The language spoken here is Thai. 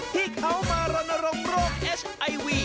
ที่เขามารณรงค์โรคเอชไอวี